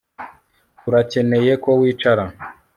Turakeneye ko wicara